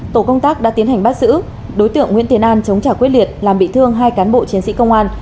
tổ công tác đã tiến hành bắt giữ đối tượng nguyễn tiến an chống trả quyết liệt làm bị thương hai cán bộ chiến sĩ công an